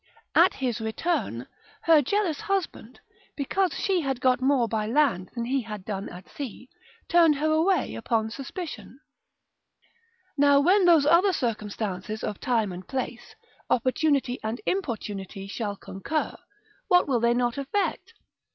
At his return, her jealous husband, because she had got more by land than he had done at sea, turned her away upon suspicion. Now when those other circumstances of time and place, opportunity and importunity shall concur, what will they not effect?